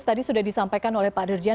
tadi sudah disampaikan oleh pak dirjen